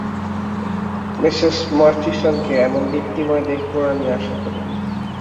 Mrs মার্চিসনকে এমন দীপ্তময় দেখবো আমি আশা করিনি।